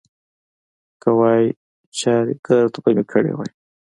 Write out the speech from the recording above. که وای، چارېګرد به مې کړی وای.